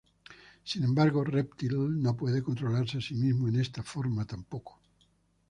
Sin embargo Reptil no puede controlarse a sí mismo en esta forma tampoco.